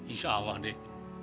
insya allah deh